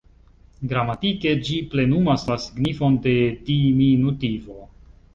Gramatike ĝi plenumas la signifon de diminutivo.